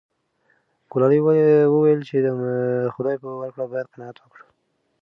ګلالۍ وویل چې د خدای په ورکړه باید قناعت وکړو.